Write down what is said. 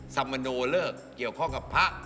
สมโนเลิกเกี่ยวข้องกับพระ